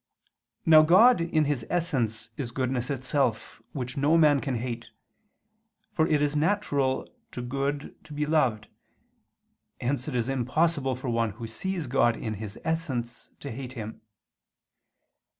Now God in His Essence is goodness itself, which no man can hate for it is natural to good to be loved. Hence it is impossible for one who sees God in His Essence, to hate Him.